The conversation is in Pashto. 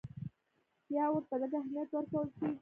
یا ورته لږ اهمیت ورکول کېږي.